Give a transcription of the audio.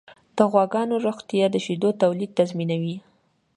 د غواګانو روغتیا د شیدو تولید تضمینوي.